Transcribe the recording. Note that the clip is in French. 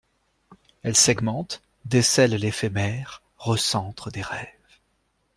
Elle segmente, décèle l’éphémère, recentre des rêves.